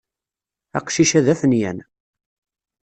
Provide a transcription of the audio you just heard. Aqcic-a d afinyan.